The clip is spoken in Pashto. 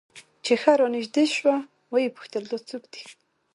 چې ښه رانژدې سوه ويې پوښتل دا څوک دى.